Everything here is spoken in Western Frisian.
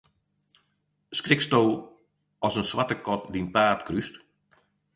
Skriksto as in swarte kat dyn paad krúst?